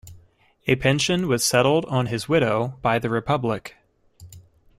A pension was settled on his widow by the Republic.